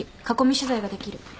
囲み取材ができる。